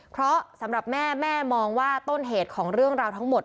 เพราะสำหรับแม่แม่มองว่าต้นเหตุของเรื่องราวทั้งหมด